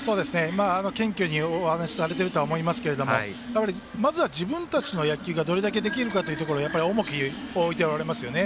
謙虚にお話しされているとは思いますがまずは自分たちの野球がどれくらいできるかに重きを置いておられますよね。